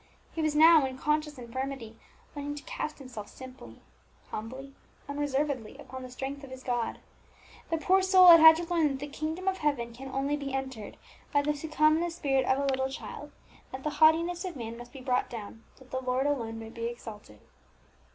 He was now, in conscious infirmity, learning to cast himself simply, humbly, unreservedly upon the strength of his God. The proud soul had had to learn that the kingdom of heaven can only be entered by those who come in the spirit of a little child, and that the haughtiness of man must be brought down, that the Lord alone may be exalted.